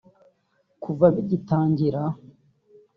Kuva bigitangira